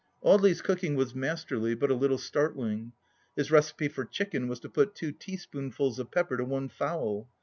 Audely's cooking was mas terly, but a little startling. His recipe for chicken was to put two teaspoonfuls of pepper to one fowl.